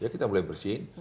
kita mulai bersihin